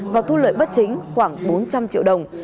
và thu lợi bất chính khoảng bốn trăm linh triệu đồng